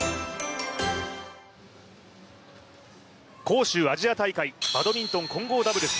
杭州アジア大会、バドミントン・混合ダブルス。